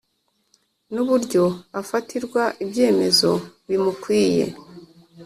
n uburyo afatirwa ibyemezo bimukwiye